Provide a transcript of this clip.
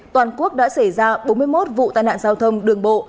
toàn quốc đã xảy ra bốn mươi một vụ tai nạn giao thông đường bộ